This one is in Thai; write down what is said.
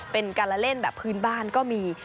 เป็นการละเล่นแบบพื้นบ้านก็มี